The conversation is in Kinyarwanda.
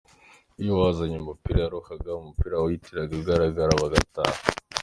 Iyo uwazanye umupira yaruhaga, umupira wahitaga uhagarara bagataha.